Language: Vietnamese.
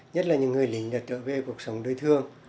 nhất là những người linh trở về cuộc sống đời thương